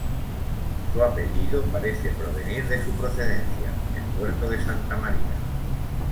Su apellido parece provenir de su procedencia, El Puerto de Santa María.